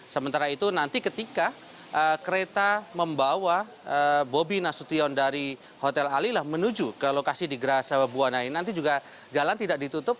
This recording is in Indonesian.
sementara itu nanti ketika kereta membawa bobi nasution dari hotel alilah menuju ke lokasi di geraha sawabuana ini nanti juga jalan tidak ditutup